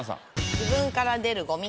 自分から出るゴミ。